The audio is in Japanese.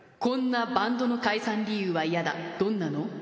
こんなバンドの解散理由はイヤだどんなの？